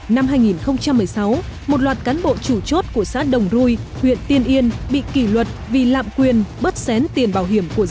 năm hai nghìn một mươi sáu một loạt cán bộ chủ chốt của xã đồng rui huyện tiên yên bị kỷ luật vì lạm quyền bớt xén tiền bảo